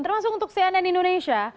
termasuk untuk cnn indonesia